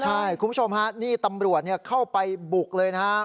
ใช่คุณผู้ชมฮะนี่ตำรวจเข้าไปบุกเลยนะฮะ